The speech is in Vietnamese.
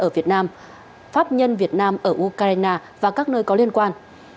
và pháp nhân việt nam ở ukraine và các nơi có liên quan